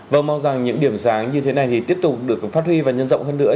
vâng mong rằng những điểm sáng như thế này thì tiếp tục được phát huy và nhân rộng hơn nữa